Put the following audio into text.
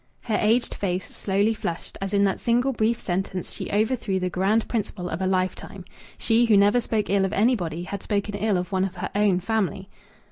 Her aged face slowly flushed as in that single brief sentence she overthrew the grand principle of a lifetime. She who never spoke ill of anybody had spoken ill of one of her own family.